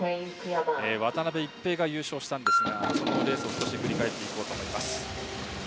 渡辺一平が優勝したんですがそのレースを振り返っていこうと思います。